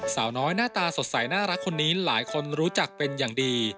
สาวน้อยหน้าตาสดใสน่ารักคนนี้หลายคนรู้จักเป็นอย่างดี